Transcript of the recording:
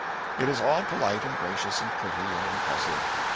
It is all polite, and gracious, and pretty, and impressive.